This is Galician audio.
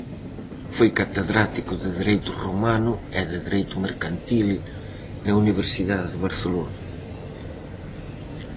Foi catedrático de Dereito Romano e de Dereito Mercantil na Universidade de Barcelona.